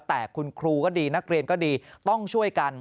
แต่คุณครูก็ดีนักเรียนก็ดีต้องช่วยกัน